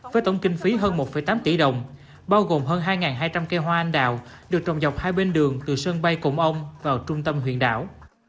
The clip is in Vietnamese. với tổng kinh phí hơn một tám tỷ đồng bao gồm hơn hai hai trăm linh cây hoa anh đào được trồng dọc hai bên đường từ sân bay cùng ông vào trung tâm huyện đảo